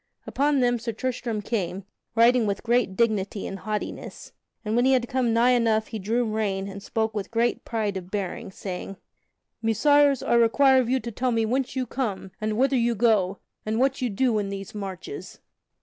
Unto them Sir Tristram came, riding with great dignity and haughtiness, and when he had come nigh enough he drew rein and spoke with great pride of bearing, saying: "Messires, I require of you to tell me whence you come, and whither you go, and what you do in these marches?"